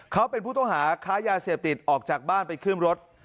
เขาเป็นผู้ต้องหาค้ายาเสพติดออกจากบ้านไปขึ้นรถ